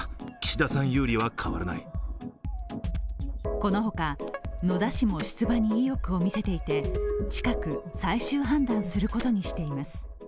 この他、野田氏も出馬に意欲を見せていて、近く最終判断することにしています。